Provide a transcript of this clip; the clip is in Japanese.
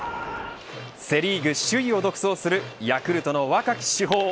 セ・リーグ首位を独走するヤクルトの若き主砲。